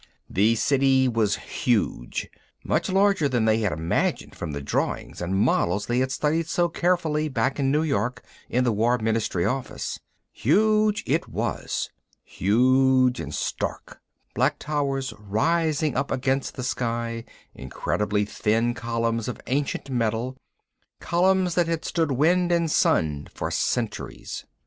The City was huge, much larger than they had imagined from the drawings and models they had studied so carefully back in New York, in the War Ministry Office. Huge it was, huge and stark, black towers rising up against the sky, incredibly thin columns of ancient metal, columns that had stood wind and sun for centuries.